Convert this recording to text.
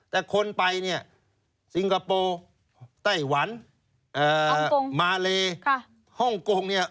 แต่คนไปซิงคโปร์ไต้หวันมาเลฮ่องกง